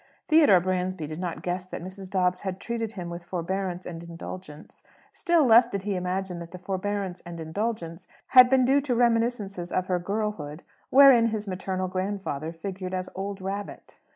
Theodore Bransby did not guess that Mrs. Dobbs had treated him with forbearance and indulgence; still less did he imagine that the forbearance and indulgence had been due to reminiscences of her girlhood, wherein his maternal grandfather figured as "Old Rabbit."